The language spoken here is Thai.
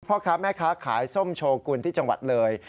พ่อค้าแม่ค้าขายส้มโชกุลที่จังหวัดเลย